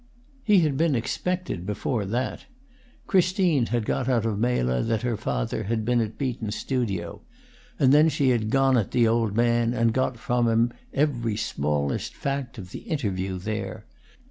He had been expected before that. Christine had got out of Mela that her father had been at Beaton's studio; and then she had gone at the old man and got from him every smallest fact of the interview there.